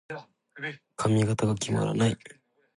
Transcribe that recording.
髪型が決まらない。